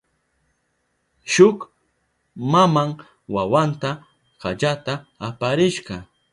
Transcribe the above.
Shuk maman wawanta kallata aparishka.